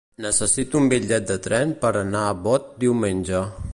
Necessito un bitllet de tren per anar a Bot diumenge.